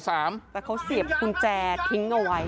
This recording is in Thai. แต่เขาเสียบกุญแจทิ้งเอาไว้